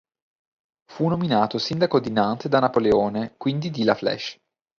Fu nominato sindaco di Nantes da Napoleone, quindi di La Flèche.